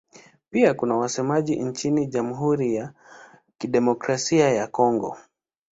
Pia kuna wasemaji nchini Jamhuri ya Kidemokrasia ya Kongo.